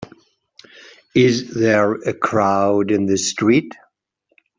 Is there a crowd in the street?